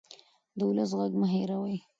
د ولس غږ مه هېروئ